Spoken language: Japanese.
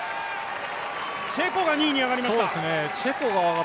チェコが２位に上がりました。